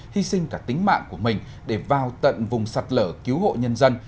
hy sinh cả tính mạng của mình để vào tận vùng sạt lở cứu hộ nhân dân